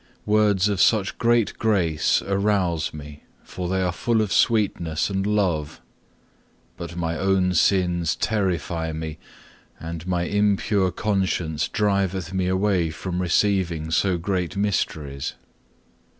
Words of such great grace arouse me, for they are full of sweetness and love; but my own sins terrify me, and my impure conscience driveth me away from receiving so great mysteries.